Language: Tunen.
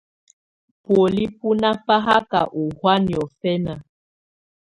Bɔ̀óli bù nà faka ù hɔ̀á niɔ̀fɛna.